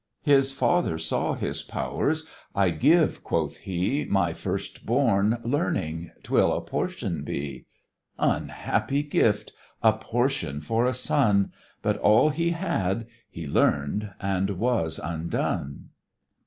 His father saw his powers "I give," quoth he, "My first born learning; 'twill a portion be:" Unhappy gift! a portion for a son! But all he had: he learn'd, and was undone!